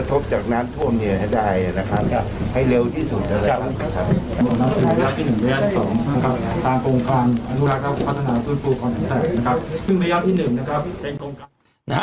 ผลกระทบจากน้ำท่วมเนียด้าให้นะครับให้เร็วที่สุดเอ่อครับ